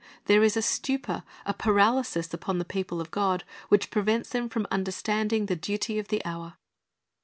There is a stupor, a paralysis, upon the people of God, which prevents them from understanding the duty of the hour.